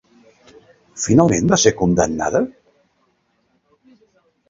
Finalment va ser condemnada?